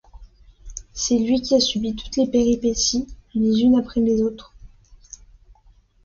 C’est lui qui a subi toutes les péripéties les unes après les autres.